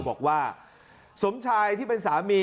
บอกว่าสมชายที่เป็นสามี